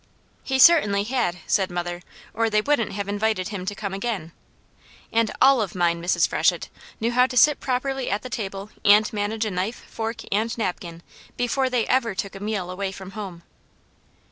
"He certainly had," said mother, "or they wouldn't have invited him to come again. And all mine, Mrs. Freshett, knew how to sit properly at the table, and manage a knife, fork and napkin, before they ever took a meal away from home."